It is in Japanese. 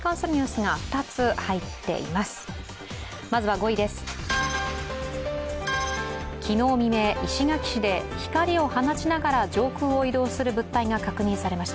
５位です、昨日未明、石垣市で光を放ちながら上空を移動する物体が確認されました。